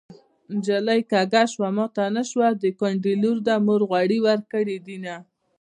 نجلۍ کږه شوه ماته نشته د کونډې لور ده مور غوړي ورکړې دينه